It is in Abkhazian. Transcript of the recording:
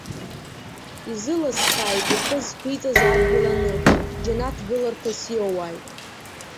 Изыласхааит ихы зқәиҵаз адгьыл-анышә, џьанаҭ гыларҭас иоуааит!